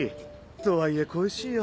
とはいえ恋しいよ。